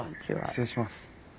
失礼します。